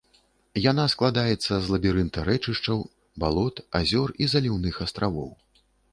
Яна складаецца з лабірынта рэчышчаў, балот, азёр і заліўных астравоў.